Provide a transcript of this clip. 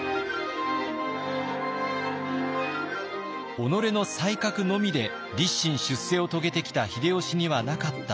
己の才覚のみで立身出世を遂げてきた秀吉にはなかったもの。